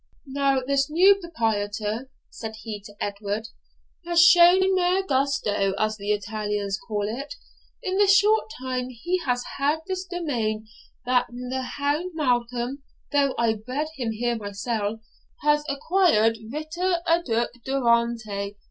'Now this new proprietor,' said he to Edward, 'has shown mair gusto, as the Italians call it, in the short time he has had this domain, than that hound Malcolm, though I bred him here mysell, has acquired vita adhuc durante.